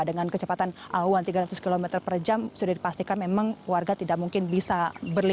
dengan kecepatan awan tiga ratus km per jam sudah dipastikan memang warga tidak mungkin bisa